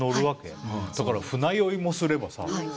だから船酔いもすればさ。